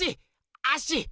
あし！